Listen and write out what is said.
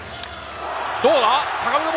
どうだ！